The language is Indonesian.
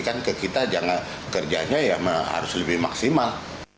kita harus lebih maksimal